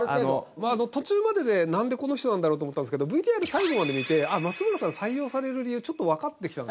途中まででなんでこの人なんだろうって思ったんですけどＶＴＲ最後まで見て松村さん採用される理由ちょっとわかってきたんですよね。